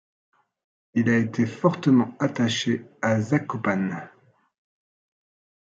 Il a été fortement attaché à Zakopane.